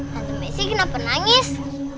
tante messi kenapa nangis